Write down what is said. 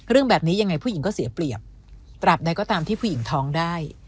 เรื่องแบบนี้ยังไงผู้หญิงก็เสียเปรียบตราบใดก็ตามที่ผู้หญิงท้องได้